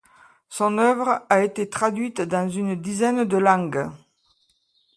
Son œuvre a été traduite dans une dizaine de langues.